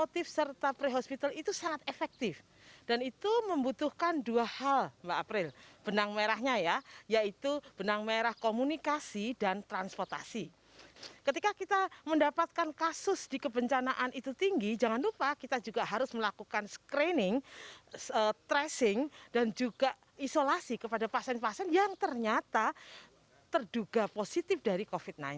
terduga positif dari covid sembilan belas